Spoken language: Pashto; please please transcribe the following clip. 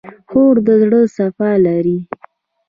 خور د زړه صفا لري.